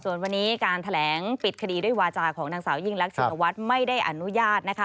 ส่วนวันนี้การแถลงปิดคดีด้วยวาจาของนางสาวยิ่งรักชินวัฒน์ไม่ได้อนุญาตนะคะ